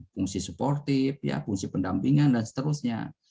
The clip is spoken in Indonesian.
fungsi suportif fungsi pendampingan dan seterusnya